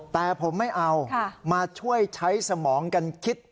แต่ผมไม่เอามาช่วยใช้สมองกันคิด